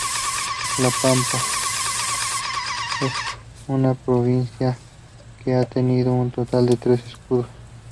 La Pampa, es una Provincia que ha tenido un total de tres Escudos.